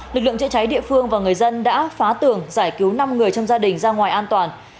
lực lượng chữa cháy địa phương và người dân đã phá tường giải cứu năm người trong gia đình ra ngoài an toàn